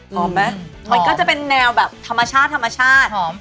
หอมไหมมันก็จะเป็นแนวแบบธรรมชาติหอม